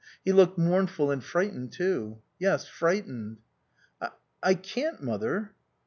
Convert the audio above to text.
He looked mournful and frightened too. Yes, frightened. "I can't, Mother."